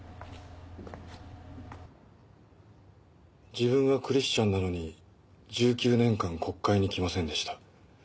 自分はクリスチャンなのに１９年間告解に来ませんでした。